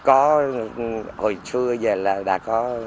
có hồi trưa giờ là đã có